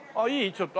ちょっと。